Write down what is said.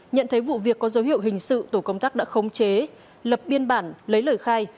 nhận thấy vụ việc có dấu hiệu hình sự tổ công tác đã khống chế lập biên bản lấy lời khai